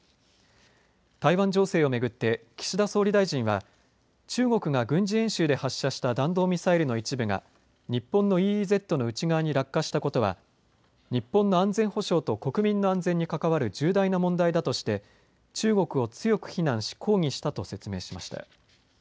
台湾情勢を巡って、岸田総理大臣は、中国が軍事演習で発射した弾道ミサイルの一部が、日本のＥＥＺの内側に落下したことは、日本の安全保障と問題の安全にかかわる重大な問題だとして、中国を強く非難し、抗議したと説明しました。